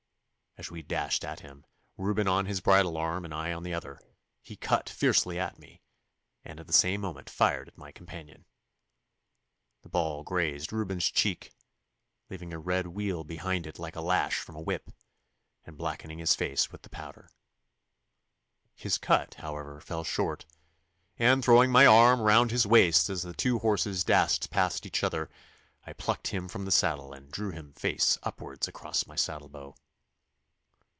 As we dashed at him, Reuben on his bridle arm and I on the other, he cut fiercely at me, and at the same moment fired at my companion. The ball grazed Reuben's cheek, leaving a red weal behind it like a lash from a whip, and blackening his face with the powder. His cut, however, fell short, and throwing my arm round his waist as the two horses dashed past each other, I plucked him from the saddle and drew him face upwards across my saddlebow.